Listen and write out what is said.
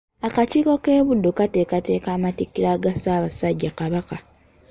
Akakiiko k’e Buddu kateekateeka amatikkira ga Ssaabasajja Kabaka.